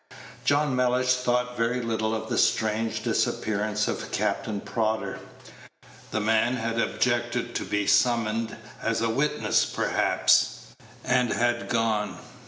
John Mellish thought very little of the strange disappearance of Captain Prodder. The man had objected to be summoned as a witness perhaps, and had gone.